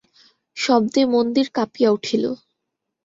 শব্দে মন্দির কাঁপিয়া উঠিল।